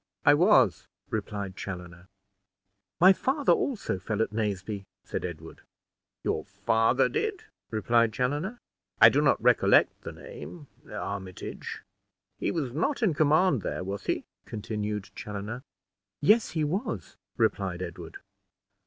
"I was," replied Chaloner. "My father also fell at Naseby," said Edward. "Your father did?" replied Chaloner; "I do not recollect the name Armitage he was not in command there, was he?" continued Chaloner. "Yes, he was," replied Edward.